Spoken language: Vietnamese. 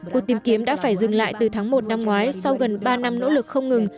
cuộc tìm kiếm đã phải dừng lại từ tháng một năm ngoái sau gần ba năm nỗ lực không ngừng